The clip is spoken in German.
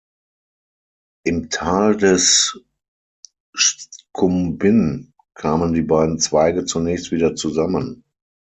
Im Tal des Shkumbin kamen die beiden Zweige zunächst wieder zusammen.